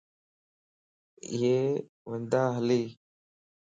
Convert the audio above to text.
اھي وندا ھلي